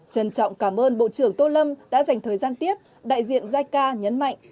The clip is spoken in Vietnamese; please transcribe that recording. trân trọng cảm ơn bộ trưởng tô lâm đã dành thời gian tiếp đại diện giai ca nhấn mạnh